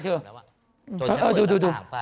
โอ้โหดู